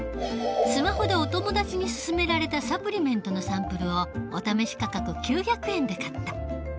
スマホでお友達に薦められたサプリメントのサンプルをお試し価格９００円で買った。